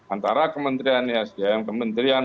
antara kementerian isdm kementerian